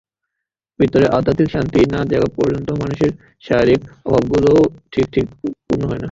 ভিতরে আধ্যাত্মিক শক্তি না জাগা পর্যন্ত মানুষের শারীরিক অভাবগুলিও ঠিক ঠিক পূর্ণ হয় না।